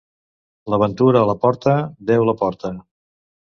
La ventura a la porta, Déu la porta.